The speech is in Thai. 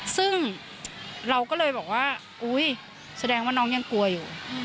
ซึ่งเราก็เลยบอกว่าอุ๊ยแสดงว่าน้องยังกลัวอยู่